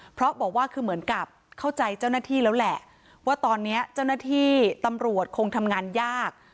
เพราะบอกว่าคือเหมือนกับเข้าใจเจ้าหน้าที่แล้วแหละว่าตอนนี้เจ้าหน้าที่ตำรวจคงทำงานยาก